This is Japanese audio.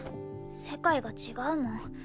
世界が違うもん。